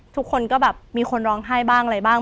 ทุกคนก็แบบมีคนร้องไห้บ้างอะไรบ้าง